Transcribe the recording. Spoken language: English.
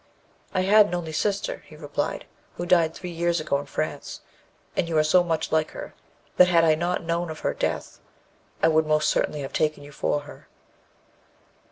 'I had an only sister,' he replied, 'who died three years ago in France, and you are so much like her that had I not known of her death, I would most certainly have taken you for her.'